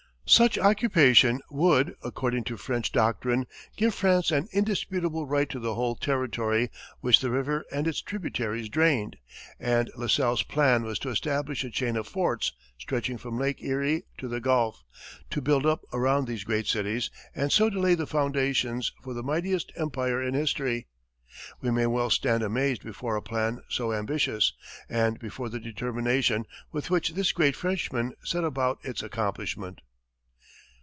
Such occupation would, according to French doctrine, give France an indisputable right to the whole territory which the river and its tributaries drained, and La Salle's plan was to establish a chain of forts stretching from Lake Erie to the Gulf, to build up around these great cities, and so to lay the foundations for the mightiest empire in history. We may well stand amazed before a plan so ambitious, and before the determination with which this great Frenchman set about its accomplishment.